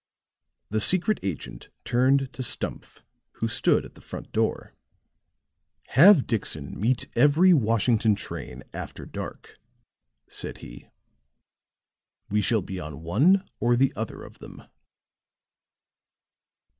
The secret agent turned to Stumph, who stood at the front door. "Have Dixon meet every Washington train after dark," said he. "We shall be on one or the other of them."